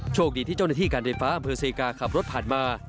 โชคดีที่เจ้าหน้าที่การไฟฟ้าอำเภอเซกาขับรถผ่านมา